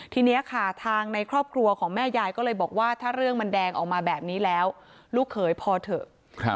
ทีนี้ค่ะทางในครอบครัวของแม่ยายก็เลยบอกว่าถ้าเรื่องมันแดงออกมาแบบนี้แล้วลูกเขยพอเถอะ